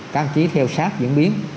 các chứ theo sát diễn biến